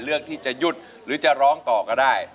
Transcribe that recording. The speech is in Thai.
เลือกที่จะหยุดหรือจะร้องต่อก็ได้